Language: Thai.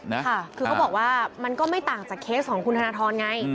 ค่ะคือเขาบอกว่ามันก็ไม่ต่างจากเคสของคุณธนทรไง